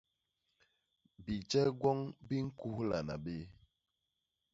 Bijek gwoñ bi ñkuhlana bé.